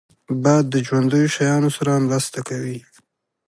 باد د ژوندیو شیانو سره مرسته کوي